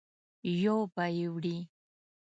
یو به یې وړې.